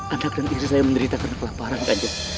anda dan diri saya menderita karena kelaparan kanjeng